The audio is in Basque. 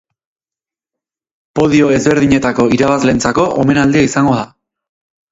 Podio ezberdinetako irabazleentzako omenaldia izango da.